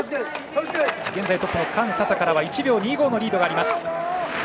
現在トップの韓沙沙からは１秒２５のリードがあります。